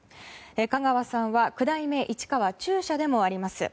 香川さんは九代目市川中車でもあります。